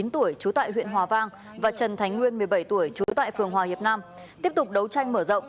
một mươi chín tuổi trú tại huyện hòa vang và trần thánh nguyên một mươi bảy tuổi trú tại phường hòa hiệp nam tiếp tục đấu tranh mở rộng